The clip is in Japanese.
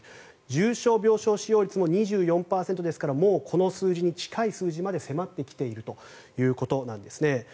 重症病床使用率も２４％ですからもうこの数字に近い数字まで迫ってきているということなんですね。